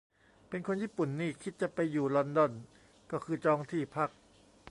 เป็นคนญี่ปุ่นนี่คิดจะไปอยู่ลอนดอนก็คือจองที่พัก